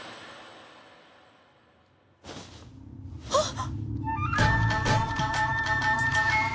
あっ！